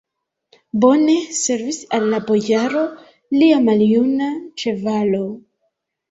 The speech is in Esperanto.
Bone servis al la bojaro lia maljuna ĉevalo!